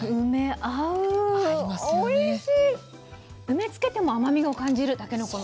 梅つけても甘みを感じるたけのこ。